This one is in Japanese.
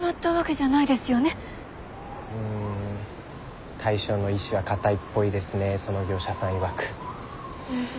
ん大将の意志は固いっぽいですねぇその業者さんいわく。